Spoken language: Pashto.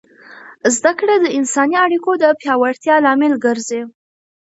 زده کړه د انساني اړیکو د پیاوړتیا لامل ګرځي.